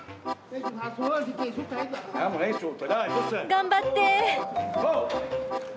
頑張って！